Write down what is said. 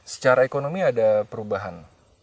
secara ekonomi ada perubahan